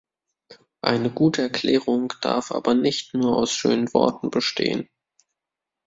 Eine gute Erklärung darf aber nicht nur aus schönen Worten bestehen.